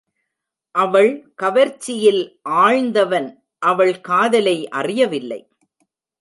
அவள் கவர்ச்சியில் ஆழ்ந்தவன் அவள் காதலை அறியவில்லை.